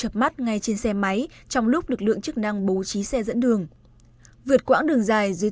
chập mắt ngay trên xe máy trong lúc lực lượng chức năng bố trí xe dẫn đường vượt quãng đường dài dưới